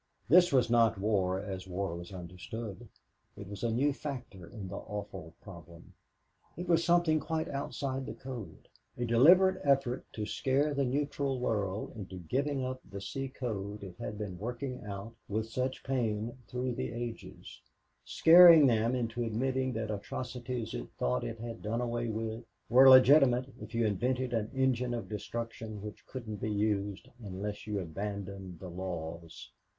This was not war, as war was understood. It was a new factor in the awful problem. It was something quite outside the code a deliberate effort to scare the neutral world into giving up the sea code it had been working out with such pain through the ages scaring them into admitting that atrocities it thought it had done away with were legitimate if you invented an engine of destruction which couldn't be used unless you abandoned the laws.